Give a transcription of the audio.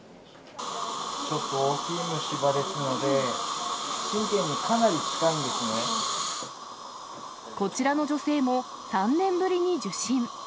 ちょっと大きい虫歯ですので、こちらの女性も、３年ぶりに受診。